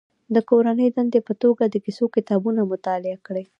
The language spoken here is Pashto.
د کورنۍ دندې په توګه د کیسو کتابونه مطالعه کړي.